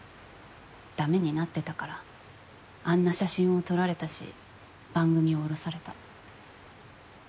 だめになってたからあんな写真を撮られたし番組を降ろされた。